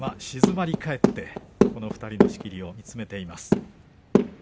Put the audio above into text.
静まり返って、この２人の仕切りを見つめています。